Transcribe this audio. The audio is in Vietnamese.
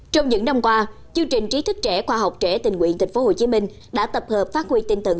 trong những năm qua chương trình trí thức trẻ khoa học trẻ tình nguyện tp hcm đã tập hợp phát huy tinh thần